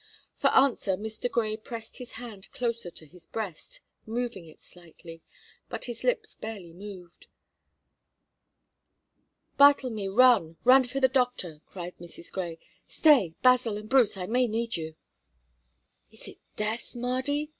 For answer Mr. Grey pressed his hand closer to his breast, moving it slightly, but his lips barely moved. "Bartlemy, run, run for the doctor!" cried Mrs. Grey. "Stay, Basil and Bruce I may need you." "Is it death, Mardy?"